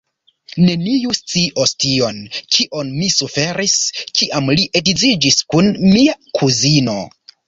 Neniu scios tion, kion mi suferis, kiam li edziĝis kun mia kuzino.